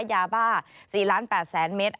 ยาบ้า๔๘๐๐๐เมตร